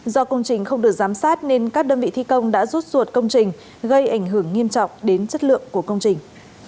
do công trình không được giám sát nên các đơn vị thi công đã rút ruột công trình gây ảnh hưởng nghiêm trọng đến chất lượng của công trình